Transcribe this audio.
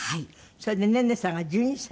それでネネさんが１２歳？